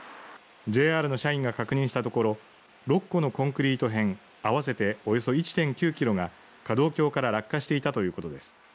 ＪＲの社員が確認したところ６個のコンクリート片合わせて１．９キロが架道橋から落下していたということです。